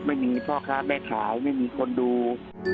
ไม่มีพ่อค้าแม่ขายไม่มีคนดู